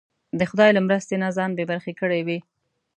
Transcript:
د خدای له مرستې نه ځان بې برخې کړی وي.